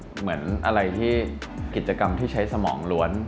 เหมือนอะไรที่กิจกรรมที่ใช้สมองล้วน